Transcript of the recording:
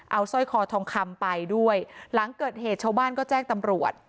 เอาสร้อยคอทองคำไปด้วยหลังเกิดเหตุชาวบ้านก็แจ้งตำรวจ